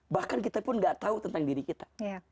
bahkan kita pun gak tahu tentang diri kita